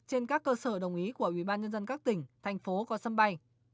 trên các cơ sở đồng ý của ubnd các tỉnh thành phố có sân bay